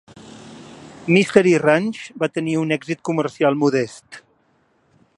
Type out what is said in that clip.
"Mystery Ranch" va tenir un èxit comercial modest.